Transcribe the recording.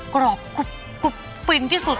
กรอบฟีนที่สุด